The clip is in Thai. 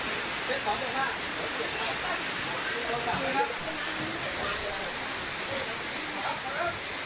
ขึ้นไปบนต้นหนุนน่ะต้นมงคุ๊ดเหรอ